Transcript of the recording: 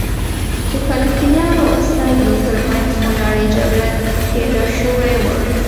د فلسطینیانو او اسرائیلو ترمنځ خونړۍ جګړه تېره شوې وه.